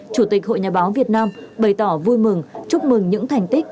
chủ tịch hội nhà báo việt nam bày tỏ vui mừng chúc mừng những thành tích